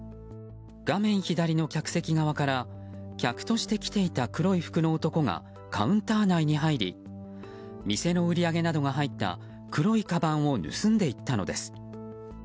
画面左の客席側から客として来ていた黒い服の男がカウンター内に入り店の売り上げなどが入った黒いかばんを盗んでいったのです。